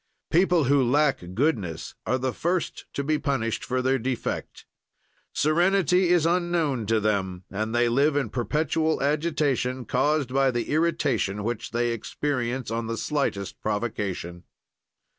"People who lack goodness are the first to be punished for their defect. Serenity is unknown to them and they live in perpetual agitation, caused by the irritation which they experience on the slightest provocation."